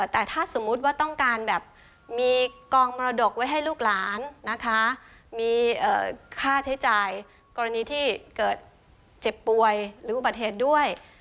แต่ถ้าสมมุติว่าต้องการแบบมีกองมรดกไว้ให้ลูกหลานนะคะมีค่าใช้จ่ายกรณีที่เกิดเจ็บป่วยหรืออุบัติเหตุด้วย